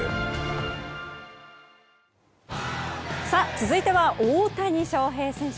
続いては大谷翔平選手。